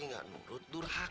kamu tuh ngelupas